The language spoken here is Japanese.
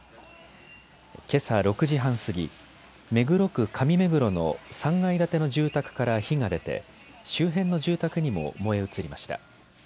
けさ６時半過ぎ、目黒区上目黒の３階建ての住宅から火が出て周辺の住宅にも燃え移りました。